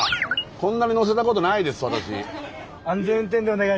こんなに乗せたことないです私。